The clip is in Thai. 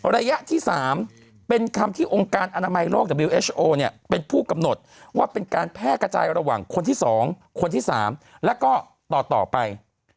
ระยะที่สามเป็นคำที่องค์การอนามัยโลกเนี้ยเป็นผู้กำหนดว่าเป็นการแพร่กระจายระหว่างคนที่สองคนที่สามแล้วก็ต่อต่อไป